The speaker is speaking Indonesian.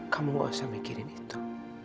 kamu tidak perlu memikirkan itu